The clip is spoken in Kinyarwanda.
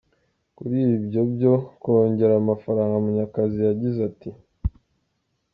Kuri ibyo byo kongera amafaranga Munyakazi yagize ati:.